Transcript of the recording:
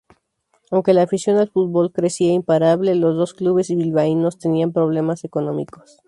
Aunque la afición al fútbol crecía imparable, los dos clubes bilbaínos tenían problemas económicos.